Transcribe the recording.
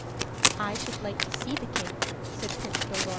"I should like to see the king," said Prince Dolor.